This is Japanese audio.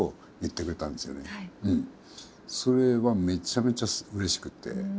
それはめちゃめちゃうれしくて。